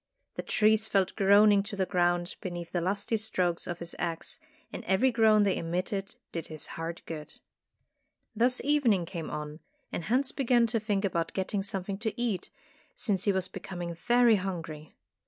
The trees fell groaning to the ground beneath the lusty strokes of his axe, and every groan they emitted did his heart good. Thus evening came on, and Hans be Tales of Modern Germany 151 gan to think about getting something to eat, since he was becoming very hungry.